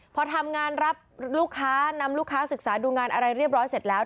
พอทำงานรับลูกค้านำลูกค้าศึกษาดูงานอะไรเรียบร้อยเสร็จแล้ว